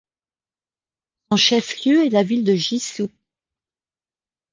Son chef-lieu est la ville de Jishou.